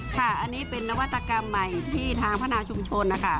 ค่ะอันนี้เป็นนวัตกรรมใหม่ที่ทางพัฒนาชุมชนนะคะ